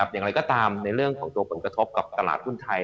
อย่างไรก็ตามในเรื่องของตัวผลกระทบกับตลาดหุ้นไทย